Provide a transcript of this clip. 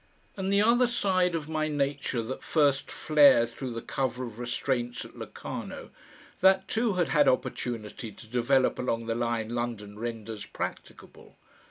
And the other side of my nature that first flared through the cover of restraints at Locarno, that too had had opportunity to develop along the line London renders practicable.